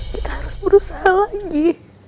kita harus berusaha lagi